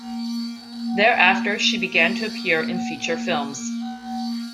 Thereafter, she began to appear in feature films.